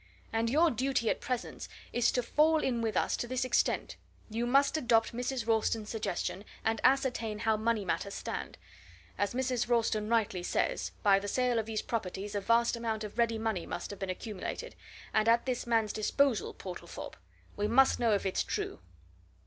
And your duty at present is to fall in with us to this extent you must adopt Mrs. Ralston's suggestion, and ascertain how money matters stand. As Mrs. Ralston rightly says, by the sale of these properties a vast amount of ready money must have been accumulated, and at this man's disposal, Portlethorpe! we must know if it's true!"